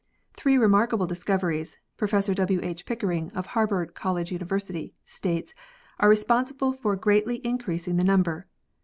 Three re markable discoveries, Prof. W. H. Pickering, of Harvard College Observatory, states, are responsible for greatly in creasing the number.